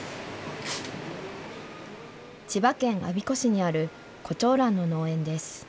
千葉県我孫子市にあるコチョウランの農園です。